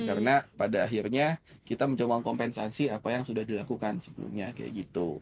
karena pada akhirnya kita mencoba kompensasi apa yang sudah dilakukan sebelumnya kayak gitu